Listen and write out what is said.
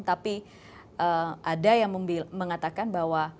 tapi ada yang mengatakan bahwa